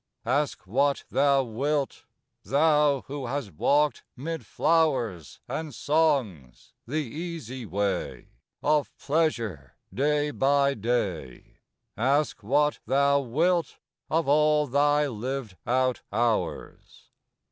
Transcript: "Ask what thou wilt, thou, who hast walked 'mid flowers And songs the easy way Of pleasure day by day, Ask what thou wilt of all thy lived out hours."